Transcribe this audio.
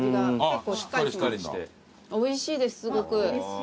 おいしいですすごく。うれしい。